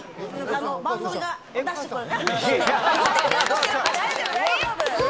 番組が出してくれる。